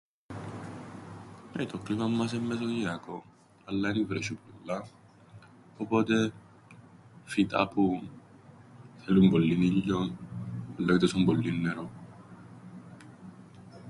Ε το κλίμαν μας εν' μεσογειακόν, αλλά εν ι-βρέσ̆ει πολλά, οπότε φυτά που θέλουν πολλύν ήλιον, αλλά όι τόσον πολλύν νερόν.